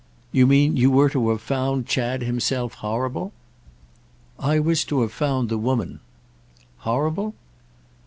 "You mean you were to have found Chad himself horrible?" "I was to have found the woman." "Horrible?"